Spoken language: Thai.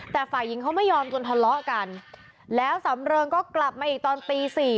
แต่ฝ่ายหญิงเขาไม่ยอมจนทะเลาะกันแล้วสำเริงก็กลับมาอีกตอนตีสี่